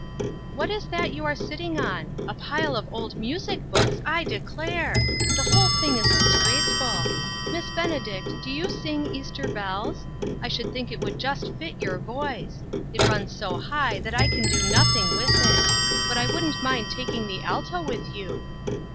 What is that you are sitting on? A pile of old music books, I declare ! The whole thing is disgraceful. Miss Benedict, do you sing ' Easter Bells ?' I should think it would just fit your voice. It runs so high that I can do nothing with it ; but I wouldn't mind taking the alto with you.